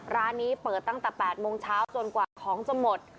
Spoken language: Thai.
ร้านนี้เปิดตั้งแต่๘โมงเช้าจนกว่าของจะหมด